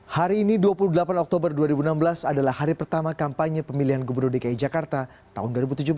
hari ini dua puluh delapan oktober dua ribu enam belas adalah hari pertama kampanye pemilihan gubernur dki jakarta tahun dua ribu tujuh belas